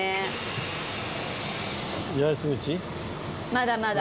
まだまだ。